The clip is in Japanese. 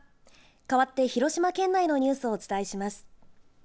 かわって広島県内のニュースをお伝えします。